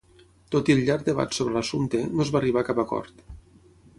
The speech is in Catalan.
Tot i el llarg debat sobre l'assumpte, no es va arribar a cap acord.